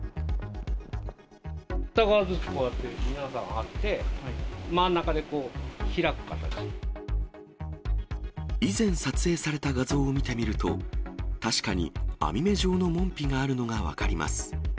片側ずつこうやってあって、以前撮影された画像を見てみると、確かに網目状の門扉があるのが分かります。